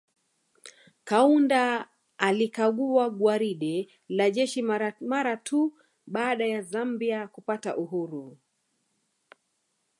Kaunda alikagua gwaride la jeshi mara tu baada ya Zambia kupata uhuru